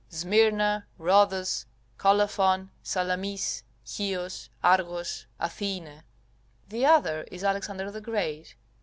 "Smyrna, Rhodos, Colophon, Salamis, Chios, Argos, Athenm." The other is Alexander the Great.